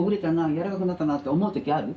柔らかくなったなって思う時ある？